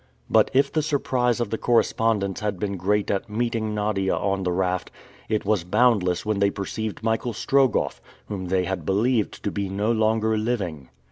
But if the surprise of the correspondents had been great at meeting Nadia on the raft it was boundless when they perceived Michael Strogoff, whom they had believed to be no longer living.